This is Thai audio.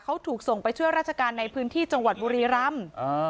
เขาถูกส่งไปช่วยราชการในพื้นที่จังหวัดบุรีรำ